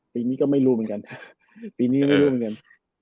ปีนี้ก็ไม่รู้เหมือนกัน